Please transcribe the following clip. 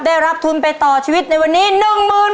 ได้รับทุนไปต่อชีวิตในวันนี้๑๐๐๐บาท